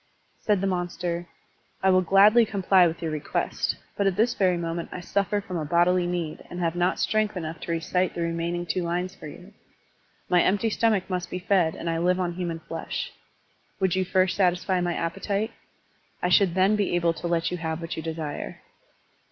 *' Said the monster: I will gladly comply with your request, but at this very moment I suffer from a bodily need and have not strength enough to recite the remaining two lines for you. My empty stomach must be fed and I live on human flesh. Would you first satisfy my appetite? I should then be able to let you have what you desire."